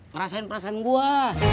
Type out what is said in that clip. ngerasain perasaan gua